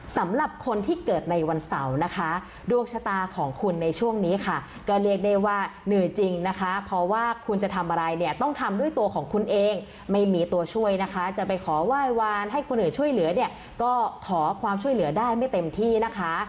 สำหรับคนที่เกิดในวันเสาร์นะคะดวงชะตาของคุณในช่วงนี้ค่ะก็เรียกได้ว่าเหนื่อยจริงนะคะเพราะว่าคุณจะทำอะไรเนี่ยต้องทำด้วยตัวของคุณเองไม่มีตัวช่วยนะคะจะไปขอไหว้วานให้คนอื่นช่วยเหลือเนี่ยก็ขอความช่วยเหลือได้ไม่เต็มที่นะคะ